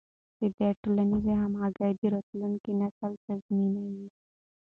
دا د ټولنیزې همغږۍ د راتلونکي نسل تضمینوي.